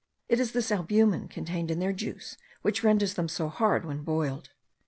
It is this albumen contained in their juice which renders them so hard when boiled.